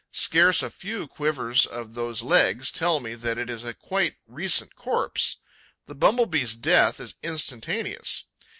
Scarce a few quivers of those legs tell me that it is a quite recent corpse. The Bumble bee's death is instantaneous.